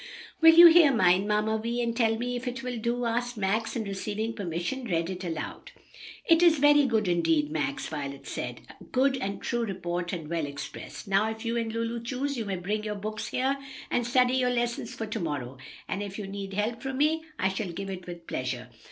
"Will you hear mine, Mamma Vi, and tell me if it will do?" asked Max; and receiving permission read it aloud. "It is very good indeed, Max," Violet said; "a good and true report, and well expressed. Now, if you and Lulu choose you may bring your books here and study your lessons for to morrow, and if you need help from me I shall give it with pleasure."